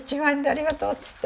ありがとう！」っつって。